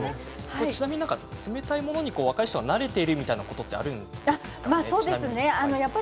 ちなみに、冷たいものに若い人は慣れているということはあるんですか？